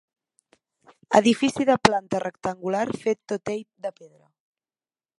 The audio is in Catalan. Edifici de planta rectangular fet tot ell de pedra.